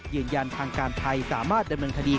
ยืนยันทางการไทยสามารถดำเนินคดี